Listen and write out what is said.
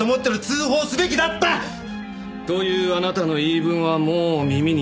通報すべきだった！というあなたの言い分はもう耳にタコ。